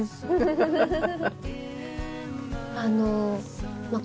フフフフ。